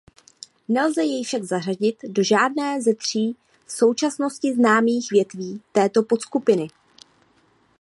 Nelze jej však zařadit do žádné ze tří v současnosti známých větví této podskupiny.